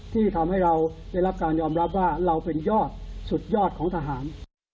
ที่ทำให้เราได้รับการยอมรับว่าเราเป็นยอดสุดยอดของทหาร